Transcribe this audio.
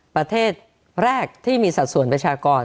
ประเทศแรกที่มีสัดส่วนประชากร